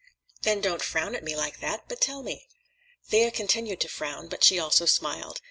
"Then don't frown at me like that, but tell me." Thea continued to frown, but she also smiled.